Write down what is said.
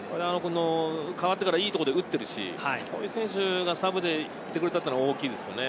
代わってから軽いところで打っているし、こういう選手がサブでいてくれたっていうのは大きいですね。